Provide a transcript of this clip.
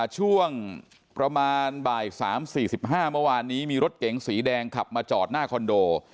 ช่วงประมาณบ่าย๓๔๕เมื่อวานนี้มีรถเก๋งสีแดงขับมาจอดหน้าคอนโด